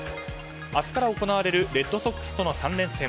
明日から行われるレッドソックスとの３連戦。